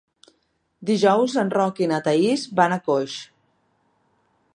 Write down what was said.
Dijous en Roc i na Thaís van a Coix.